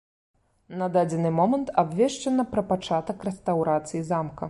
На дадзены момант абвешчана пра пачатак рэстаўрацыі замка.